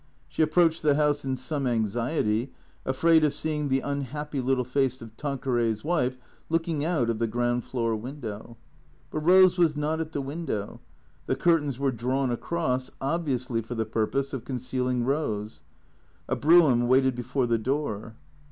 She approached the house in some anxiety, afraid of seeing the unhappy little face of Tanqueray's wife looking out of the gi'ound floor window. But Rose was not at the window. The curtains were drawn across, obviously for the purpose of concealing Rose. A brougham waited before the door.